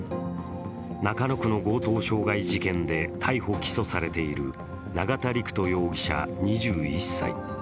中野区の強盗傷害事件で逮捕・起訴されている永田陸人容疑者２１歳。